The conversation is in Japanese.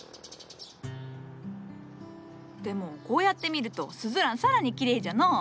でもこうやって見るとスズラン更にきれいじゃのう。